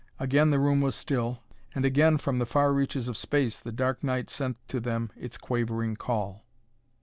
Again the room was still, and again from the far reaches of space the dark night sent to them its quavering call.